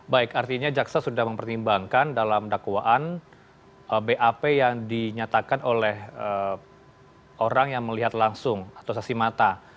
baik artinya jaksa sudah mempertimbangkan dalam dakwaan bap yang dinyatakan oleh orang yang melihat langsung atau saksi mata